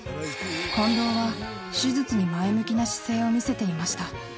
近藤は手術に前向きな姿勢を見せていました